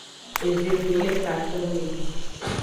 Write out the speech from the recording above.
Eve to le katonme.